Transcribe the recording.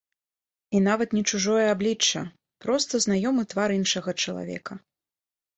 І нават не чужое аблічча, проста знаёмы твар іншага чалавека.